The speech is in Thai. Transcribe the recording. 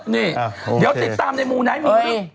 นี่เดี๋ยวติดตามในมูไหนมีเรื่อง